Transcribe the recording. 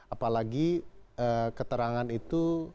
apalagi keterangan itu